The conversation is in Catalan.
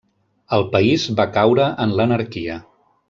El país va caure en l'anarquia.